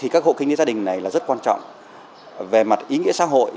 các hộ kinh tế gia đình này rất quan trọng về mặt ý nghĩa xã hội